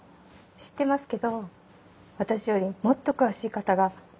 知ってますけど私よりもっと詳しい方が今いらしてます。